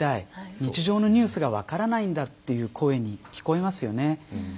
日常のニュースが分からないんだという声に聞こえますよね。